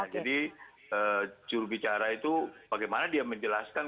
jadi jurubicara itu bagaimana dia menjelaskan